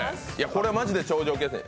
これはマジで頂上決戦。